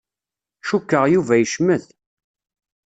Cukkeɣ Yuba yecmet.